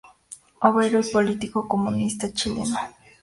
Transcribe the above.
Obrero y político comunista chileno.